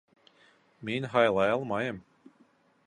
Мин һайлай алмайым.